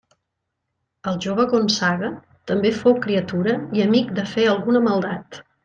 El jove Gonçaga també fou criatura i amic de fer alguna maldat.